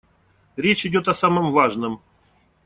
Речь идёт о самом важном.